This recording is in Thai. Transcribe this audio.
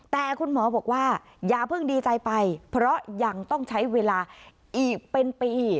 แต่คุณหมอบอกว่าอย่าเพิ่งดีใจไปเพราะยังต้องใช้เวลาอีกเป็นปี